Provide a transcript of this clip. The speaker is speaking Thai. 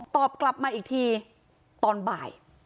ตอบกลับมาอีกทีตอนบ่าย